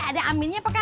ada aminnya apa kagak